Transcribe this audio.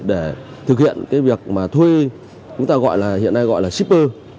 để thực hiện việc thuê hiện nay gọi là shipper